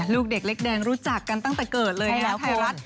ลูกเด็กเล็กแดงรู้จักกันตั้งแต่เกิดเลยนะครับไทยรัฐ